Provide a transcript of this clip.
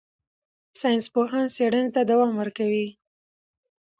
ساینسپوهان څېړنې ته دوام ورکوي.